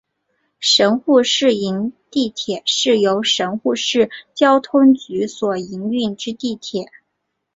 神户市营地铁是由神户市交通局所营运之地铁。